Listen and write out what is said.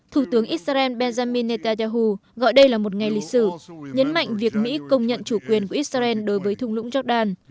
thủ tướng israel benjamin netanyahu gọi đây là một ngày lịch sử nhấn mạnh việc mỹ công nhận chủ quyền của israel đối với thung lũng jordan